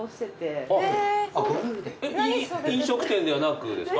飲食店ではなくですか？